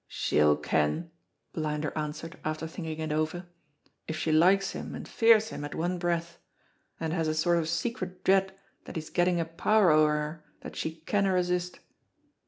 "She'll ken," Blinder answered after thinking it over, "if she likes him and fears him at one breath, and has a sort of secret dread that he's getting a power ower her that she canna resist."